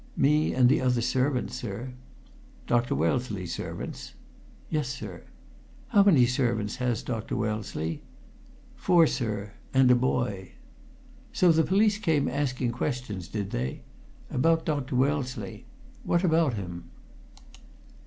"Me and the other servants, sir." "Dr. Wellesley's servants?" "Yes, sir." "How many servants has Dr. Wellesley?" "Four, sir and a boy." "So the police came asking questions, did they? About Dr. Wellesley? What about him?"